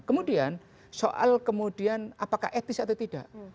kemudian soal kemudian apakah etis atau tidak